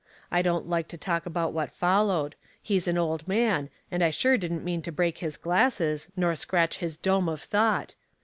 I don't like to talk about what followed. He's an old man, and I sure didn't mean to break his glasses, nor scratch his dome of thought.